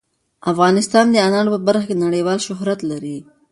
افغانستان د انار په برخه کې نړیوال شهرت لري.